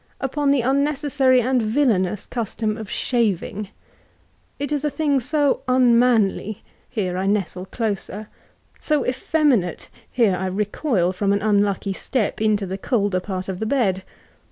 — npca the on* necessary and viUaiiioos castom of sfaaTing : it is a thing so nnmanly (here I nestle closer) — so tScmt Date (here I leoofl firom an nnincky step into the colder part of the bed.)